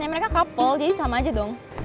mereka couple jadi sama aja dong